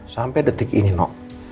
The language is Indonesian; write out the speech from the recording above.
sampai detik ini no